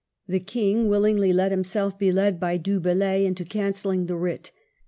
The King willingly let himself be led by Du Bellay into cancelling the writ.